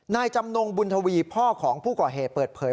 นายจำนงบุญทวีพ่อของผู้ก่อเหตุเปิดเผย